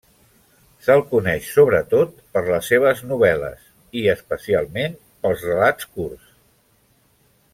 Se'l coneix sobretot per les seves novel·les i especialment pels relats curts.